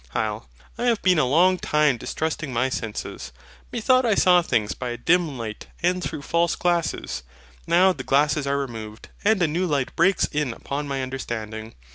HYL. I have been a long time distrusting my senses: methought I saw things by a dim light and through false glasses. Now the glasses are removed and a new light breaks in upon my understanding.